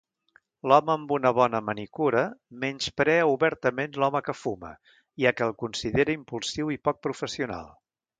L'home amb una bona manicura menysprea obertament l'home que fuma, ja que el considera impulsiu i poc professional.